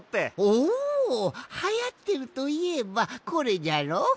おおはやっているといえばこれじゃろ！